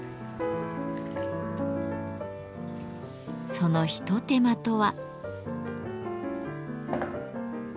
その一手間とは？